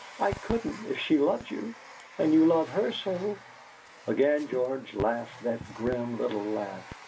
I couldn't, if she loves you, and you love her so!" Again George laughed that grim little laugh.